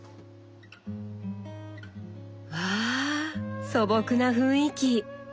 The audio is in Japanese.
わあ素朴な雰囲気。